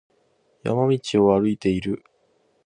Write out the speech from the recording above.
山道を歩いている。